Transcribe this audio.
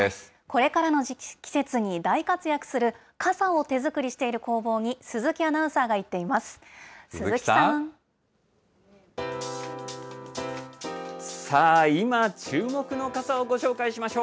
これからの季節に大活躍する傘を手作りしている工房に鈴木アナウンサーが行っています。